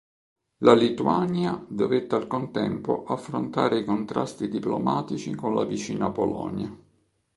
La Lituania dovette al contempo affrontare i contrasti diplomatici con la vicina Polonia.